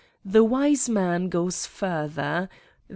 The wise man goes further.